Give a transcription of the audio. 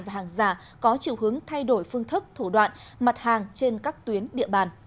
và hàng giả có chiều hướng thay đổi phương thức thủ đoạn mặt hàng trên các tuyến địa bàn